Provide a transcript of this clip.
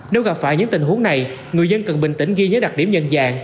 nếu gặp phải những tình huống này người dân cần bình tĩnh ghi nhớ đặc điểm nhận dạng